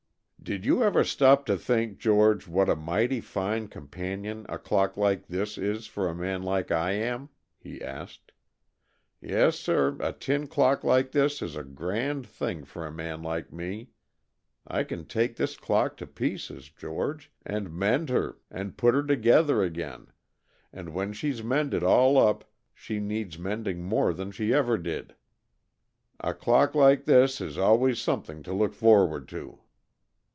"Did you ever stop to think, George, what a mighty fine companion a clock like this is for a man like I am?" he asked. "Yes, sir, a tin clock like this is a grand thing for a man like me. I can take this clock to pieces, George, and mend her, and put her together again, and when she's mended all up she needs mending more than she ever did. A clock like this is always something to look forward to."